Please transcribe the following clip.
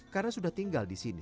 karena sudah tinggal di sini